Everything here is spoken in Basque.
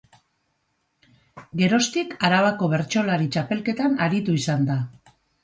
Geroztik, Arabako Bertsolari Txapelketan aritu izan da.